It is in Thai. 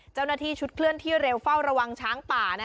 เจ้าหน้าที่ชุดเคลื่อนที่เร็วเฝ้าระวังช้างป่า